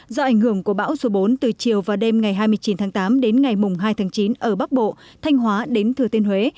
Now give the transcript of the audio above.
do ảnh hưởng của bão số bốn từ chiều và đêm ngày hai mươi chín tháng tám đến ngày mùng hai tháng chín ở bắc bộ thanh hóa đến thừa thiên huế